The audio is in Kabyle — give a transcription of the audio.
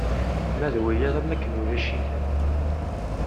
Ma d wiyaḍ am wakken ulac-iten.